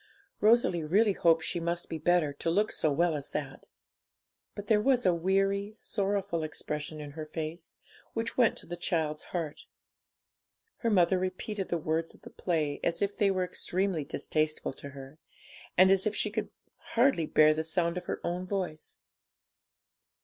Rosalie really hoped she must be better, to look so well as that. But there was a weary, sorrowful expression in her face, which went to the child's heart. Her mother repeated the words of the play as if they were extremely distasteful to her, and as if she could hardly bear the sound of her own voice.